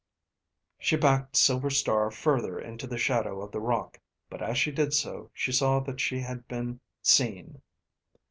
She backed Silver Star further into the shadow of the rock, but as she did so she saw that she had been seen.